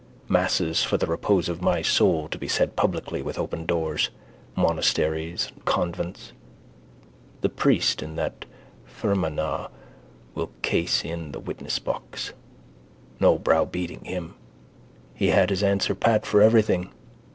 Masses for the repose of my soul to be said publicly with open doors. Monasteries and convents. The priest in that Fermanagh will case in the witnessbox. No browbeating him. He had his answer pat for everything.